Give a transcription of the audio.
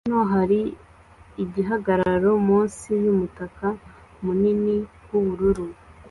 Hano hari igihagararo munsi yumutaka munini wubururu